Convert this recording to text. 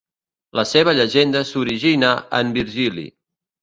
La seva llegenda s'origina en Virgili.